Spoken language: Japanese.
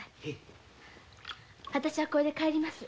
私はこれで帰ります。